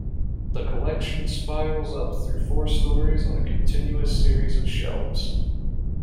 The collection spirals up through four stories on a continuous series of shelves.